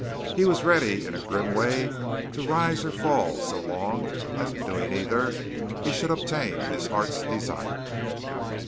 He was ready in a grim way to rise or fall so long as, in doing either, he should obtain his heart's desire.